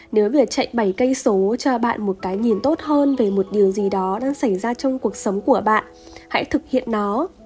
nếu việc chạy bảy cây số cho bạn một cái nhìn tốt hơn về một điều gì đó đang xảy ra trong cuộc sống của bạn hãy thực hiện nó